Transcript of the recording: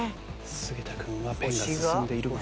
菅田君はペンが進んでいるが。